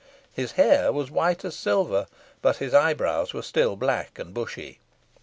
His hair was white as silver, but his eyebrows were still black and bushy.